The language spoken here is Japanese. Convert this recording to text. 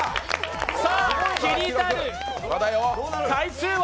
さあ、気になる回数は？